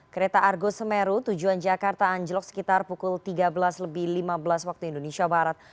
kereta argo semeru tujuan jakarta anjlok sekitar pukul tiga belas lebih lima belas waktu indonesia barat